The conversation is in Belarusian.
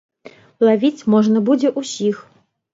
Лавіць можна будзе ўсіх.